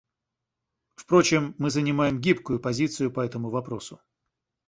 Впрочем, мы занимаем гибкую позицию по этому вопросу.